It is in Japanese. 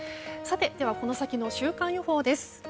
この先の週間予報です。